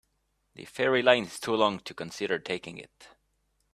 The ferry line is too long to consider taking it.